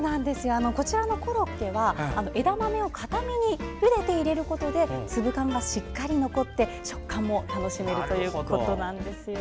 こちらのコロッケは枝豆をかためにゆでて入れることで粒感がしっかり残って食感も楽しめるということです。